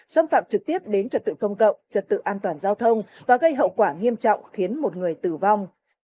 xâm phạm trực tiếp đến trật tự công cộng trật tự an toàn giao thông và gây hậu quả nghiêm trọng khiến một người tử vong